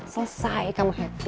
selesai kamu happy